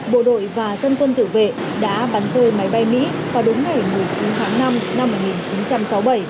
bộ đội và dân quân tự vệ đã bắn rơi máy bay mỹ vào đúng ngày một mươi chín tháng năm năm một nghìn chín trăm sáu mươi bảy